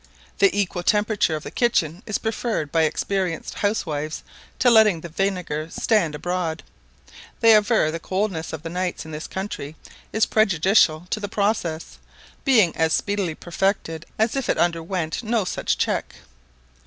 The equal temperature of the kitchen is preferred by experienced housewives to letting the vinegar stand abroad; they aver the coldness of the nights in this country is prejudicial to the process, being as speedily perfected as if it underwent no such check.